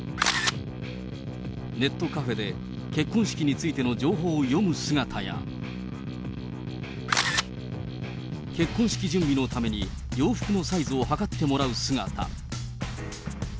ネットカフェで、結婚式についての情報を読む姿や、結婚式準備のために、洋服のサイズを測ってもらう姿。